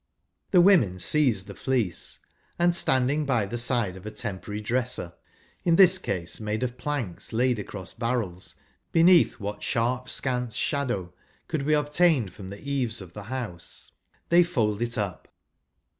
The women seize the fleece, and, HOUSEHOLD WOEDS. [Conducted by 448 standing by the side of a temporary dresser (in this case made*of planks laid across barrels, beneath what sharp scant shadow could be obtained from the eaves of the house), they fold it up.